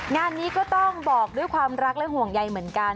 งานนี้ก็ต้องบอกด้วยความรักและห่วงใยเหมือนกัน